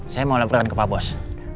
saya mau laporkan ke pak bos